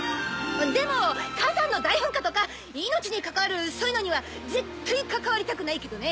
でも火山の大噴火とか命に関わるそういうのには絶対関わりたくないけどね。